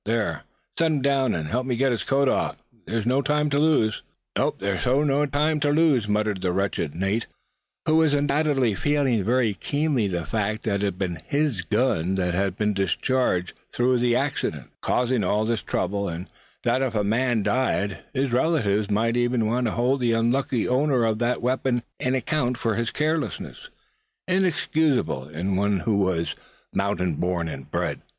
There, set him down, and help me get his coat off. There's no time to lose." "Nope, thar's sure no time tuh lose," muttered the wretched Nate, who was undoubtedly feeling very keenly the fact that it had been his gun that had been discharged through accident, causing all this trouble; and that if the man died, his relatives might even want to hold the unlucky owner of that weapon to account for his carelessness, inexcusable in one who had been mountain born and bred.